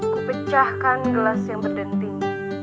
ku pecahkan gelas yang berdenting